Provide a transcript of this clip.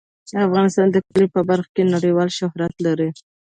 افغانستان د کلي په برخه کې نړیوال شهرت لري.